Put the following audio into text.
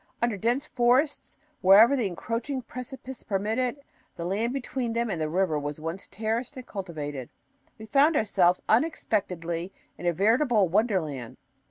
Under dense forests, wherever the encroaching precipices permitted it, the land between them and the river was once terraced and cultivated. We found ourselves unexpectedly in a veritable wonderland.